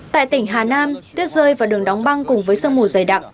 tại tỉnh hà nam tuyết rơi và đường đóng băng cùng với sông mù dày đặm